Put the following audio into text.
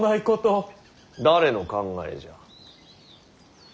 誰の考えじゃ。